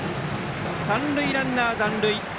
三塁ランナー、残塁。